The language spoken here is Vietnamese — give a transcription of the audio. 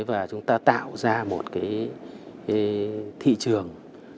và chúng ta tạo ra một thị trường